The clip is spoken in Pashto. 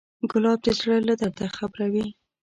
ګلاب د زړه له درده خبروي.